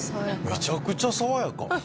めちゃくちゃ爽やか。